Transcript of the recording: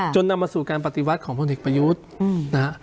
จนนำมาสู่การปฏิวัติของพลนิกประยุทธ์